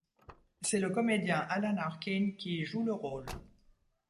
C'est le comédien Alan Arkin qui y joue le rôle.